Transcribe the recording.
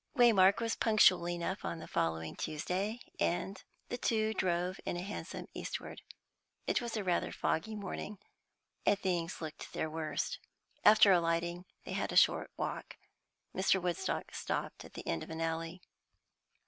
Waymark was punctual enough on the following Tuesday, and the two drove in a hansom eastward. It was rather a foggy morning, and things looked their worst. After alighting they had a short walk. Mr. Woodstock stopped at the end of an alley.